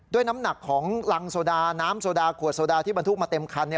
น้ำหนักของรังโซดาน้ำโซดาขวดโซดาที่บรรทุกมาเต็มคัน